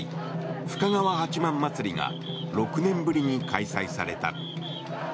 深川八幡祭りが６年ぶりに開催された。